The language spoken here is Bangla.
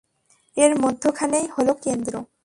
এর মধ্যখানেই হলো কেন্দ্র।